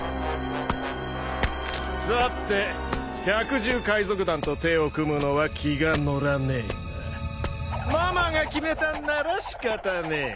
さて百獣海賊団と手を組むのは気が乗らねえがママが決めたんなら仕方ねえ。